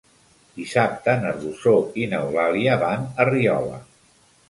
Dissabte na Rosó i n'Eulàlia van a Riola.